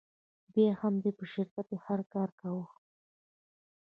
بیا هم دوی په شرکت کې هر کاره وي